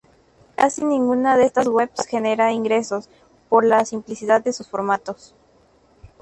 Casi ninguna de estas webs genera ingresos por la simplicidad de sus formatos.